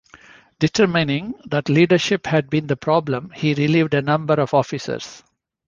Determining that leadership had been the problem, he relieved a number of officers.